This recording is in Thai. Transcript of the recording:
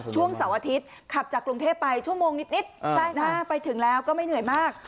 ช่วงเสาร์อาทิตย์ขับจากกรุงเทพไปชั่วโมงนิดไปถึงแล้วก็ไม่เหนื่อยมาก